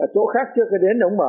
chỗ khác chưa cứ đến đống mở